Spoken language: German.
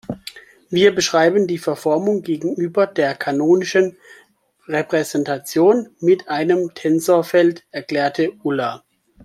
Wir beschreiben die Verformung gegenüber der kanonischen Repräsentation mit einem Tensorfeld, erklärte Ulla.